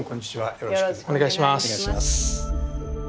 よろしくお願いします。